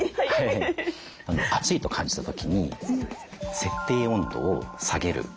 暑いと感じた時に設定温度を下げる。